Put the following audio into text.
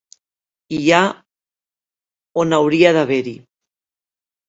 Hi ha «» on hauria d’haver-hi ”“.